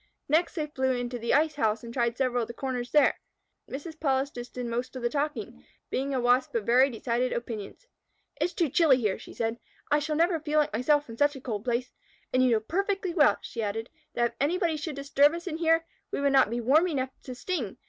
Next they flew into the ice house and tried several of the corners there. Mrs. Polistes did most of the talking, being a Wasp of very decided opinions. "It is too chilly here," she said. "I should never feel like myself in such a cold place. And you know perfectly well," she added, "that if anybody should disturb us in here, we would not be warm enough to sting.